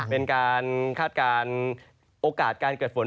เป็นการคาดการณ์โอกาสการเกิดฝน